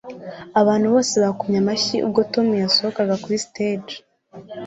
abantu bose bakomye amashyi ubwo tom yasohokaga kuri stage